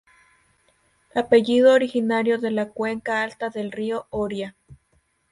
Apellido originario de la cuenca alta del río Oria.